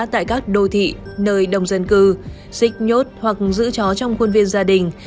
tại các đô thị nơi đông dân cư xích nhốt hoặc giữ chó trong khuôn viên gia đình